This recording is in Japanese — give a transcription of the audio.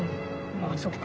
ああそっか。